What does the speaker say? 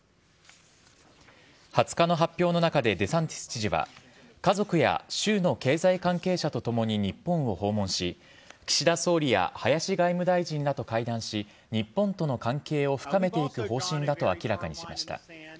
２０日の発表の中でデサンティス知事は家族や州の経済関係者とともに日本を訪問し岸田総理や林外務大臣らと会談し日本との関係を深めていく方針だと明らかにしました。